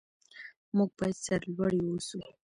موږ باید سرلوړي اوسو.